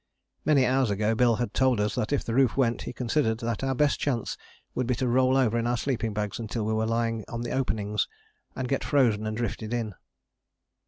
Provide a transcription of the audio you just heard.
Many hours ago Bill had told us that if the roof went he considered that our best chance would be to roll over in our sleeping bags until we were lying on the openings, and get frozen and drifted in.